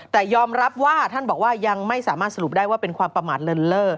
แต่ยอมรับว่าท่านบอกว่ายังไม่สามารถสรุปได้ว่าเป็นความประมาทเลินเล่อ